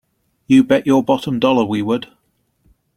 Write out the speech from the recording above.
You bet your bottom dollar we would!